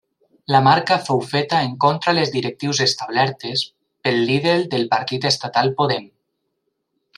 La marca fou feta en contra les directrius establertes pel líder del partit estatal Podem.